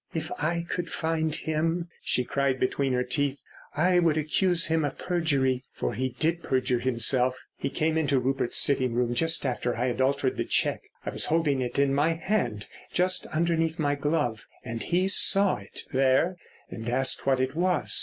"If I could find him," she cried between her teeth, "I would accuse him of perjury. For he did perjure himself. He came into Rupert's sitting room just after I had altered the cheque. I was holding it in my hand just underneath my glove, and he saw it there and asked what it was.